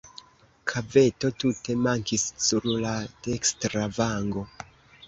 Kaveto tute mankis sur la dekstra vango.